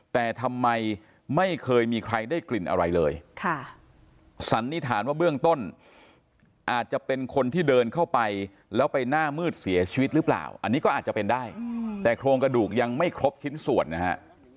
แต่ทำไมไม่เคยมีใครได้กลิ่นอะไรเลยสันนิษฐานว่าเบื้องต้นอาจจะเป็นคนที่เดินเข้าไปแล้วไปหน้ามืดเสียชีวิตหรือเปล่าอันนี้ก็อาจจะเป็นได้แต่โครงกระดูกยังไม่ครบชิ้นส่วนนะฮะ